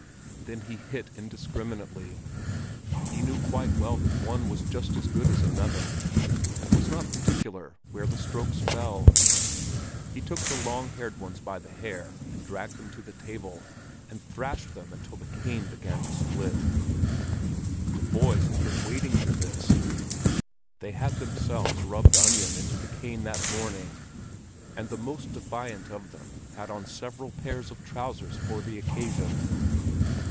Then he hit indiscriminately. He knew quite well that one was just as good as another, and was not particular where the strokes fell. He took the long haired ones by the hair and dragged them to the table, and thrashed them until the cane began to split. The boys had been waiting for this; they had themselves rubbed onion into the cane that morning, and the most defiant of them had on several pairs of trousers for the occasion.